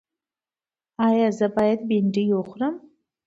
ایا زه باید بامیه وخورم؟